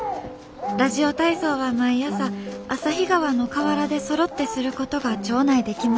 ラジオ体操は毎朝旭川の河原でそろってすることが町内で決まりました。